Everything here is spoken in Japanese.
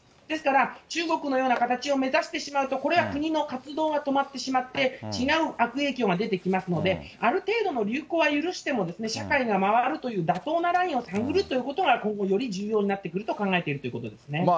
ですから、中国のような形を目指してしまうと、これは国の活動が止まってしまって、違う悪影響が出てきますので、ある程度の流行は許しても、社会が回るという妥当なラインを探るということが、今後より重要になってくると考えているということですね。